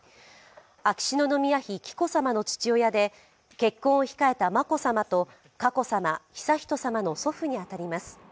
秋篠宮妃・紀子さまの父親で結婚を控えた眞子さまと佳子さま、悠仁さまの祖父に当たります。